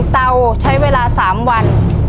เตาใช้เวลา๓วัน